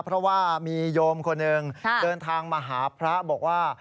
เพราะว่ามีโยมคนหนึ่งเดินทางมาหาพระบอกว่า